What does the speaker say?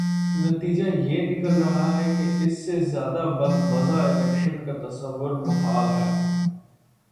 نتیجہ یہ نکل رہا ہے کہ اس سے زیادہ بدمزہ الیکشن کا تصور محال ہے۔